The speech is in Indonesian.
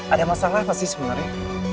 ada masalah pasti sebenernya